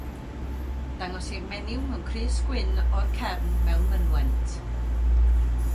Dangosir menyw mewn crys gwyn o'r cefn mewn mynwent.